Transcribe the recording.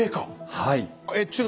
はい。